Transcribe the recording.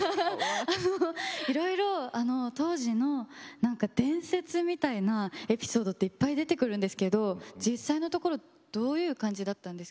いろいろ当時の伝説みたいなエピソードっていっぱい出てくるんですけど実際のところどういう感じだったんですか？